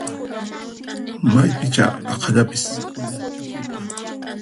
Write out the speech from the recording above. Maypichá aqhallapis!